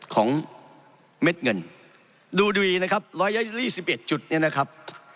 ของเม็ดเงินดูดูอีนะครับร้อยละ๒๑จุดเนี่ยนะครับ